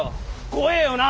怖えよな。